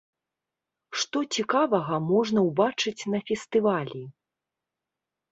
Што цікавага можна ўбачыць на фестывалі?